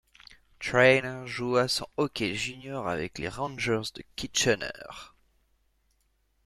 Traynor joua son hockey junior avec les Rangers de Kitchener.